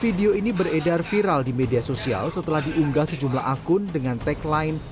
video ini beredar viral di media sosial setelah diunggah sejumlah akun dengan tagline